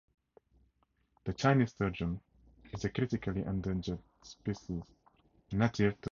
The Chinese sturgeon is a critically endangered species native to China.